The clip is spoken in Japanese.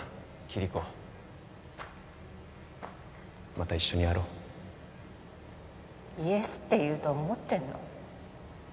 キリコまた一緒にやろう「イエス」って言うと思ってんの？